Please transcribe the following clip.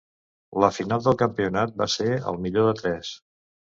La final del campionat va ser al millor de tres.